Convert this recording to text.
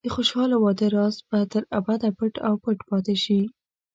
د خوشحاله واده راز به تر ابده پټ او پټ پاتې شي.